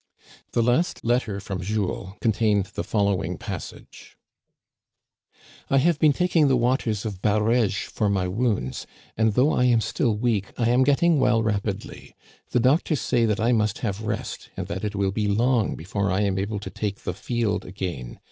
The last letter from Jules contained the following passage :" I have been taking the waters of Bareges for my wounds, and though I am still weak, I am getting well rapidly. The doctors say that I must have rest, and that it will be long before I am able to take the field again.